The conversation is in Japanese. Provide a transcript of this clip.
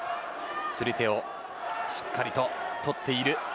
釣り手をしっかりと取っている。